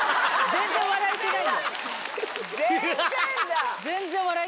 全然笑えてない。